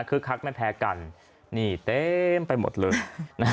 คือคักไม่แพ้กันนี่เต็มไปหมดเลยนะฮะ